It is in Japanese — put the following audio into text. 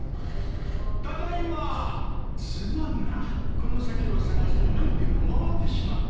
この酒を探して何軒も回ってしまった。